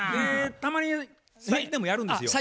たまに最近でもやるんですよ。